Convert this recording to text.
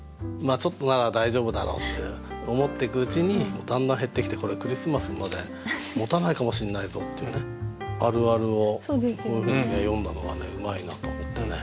ちょっとなら大丈夫だろうって思ってくうちにだんだん減ってきてこれクリスマスまでもたないかもしんないぞっていうあるあるをこういうふうに詠んだのがうまいなと思ってね。